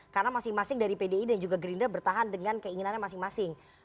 karena masing masing dari pdi dan juga gerindra bertahan dengan keinginannya masing masing